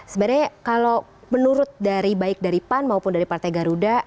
sebenarnya kalau menurut dari baik dari pan maupun dari partai garuda